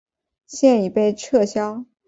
现已被撤销。